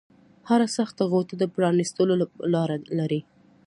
هره سخته غوټه د پرانیستلو لاره لري